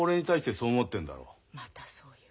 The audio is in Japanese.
またそう言う。